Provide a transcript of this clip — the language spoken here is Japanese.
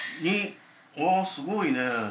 ああすごいね。